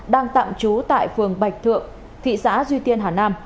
đang tạm trú tại phường bạch thượng thị xã duy tiên hà nam